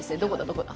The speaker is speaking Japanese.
どこだ？